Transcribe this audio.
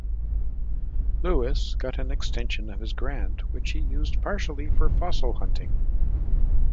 Louis got an extension of his grant, which he used partially for fossil-hunting.